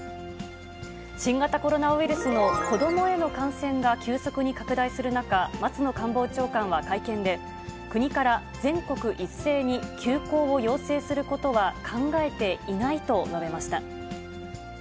新型コロナウイルスの子どもへの感染が急速に拡大する中、松野官房長官は会見で、国から全国一斉に休校を要請することは考えていないと述べました。